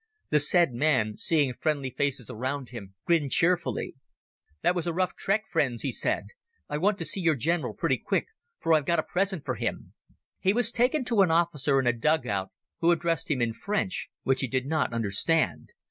The said man, seeing friendly faces around him, grinned cheerfully. "That was a rough trek, friends," he said; "I want to see your general pretty quick, for I've got a present for him." He was taken to an officer in a dug out, who addressed him in French, which he did not understand.